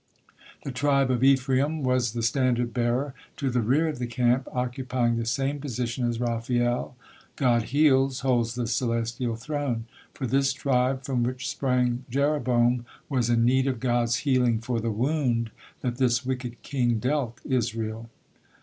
The tribe of Ephraim was the standard bearer to the rear of the camp, occupying the same position as Raphael, "God heals," holds the celestial Throne; for this tribe, from which sprang Jeroboam, was in need of God's healing for the wound that this wicked king dealt Israel.